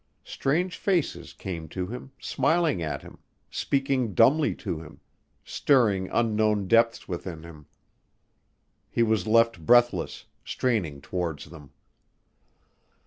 Strange faces came to him, smiling at him, speaking dumbly to him, stirring unknown depths within him. He was left breathless, straining towards them.